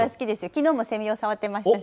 きのうもセミを触っていましたし。